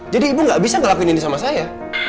jadi ibu tidak bisa melakukan ini sama saya